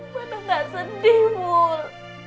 tidak sedih mul